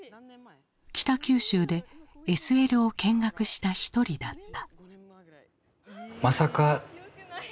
北九州でＳＬを見学した一人だった。